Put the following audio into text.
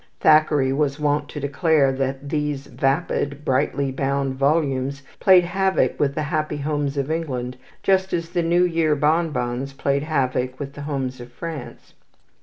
Thackeray was wont to declare that these vapid, brightly bound volumes played havoc with the happy homes of England, just as the New Year bonbons played havoc with the homes of France.